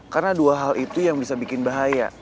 karena dua hal itu yang bisa bikin bahaya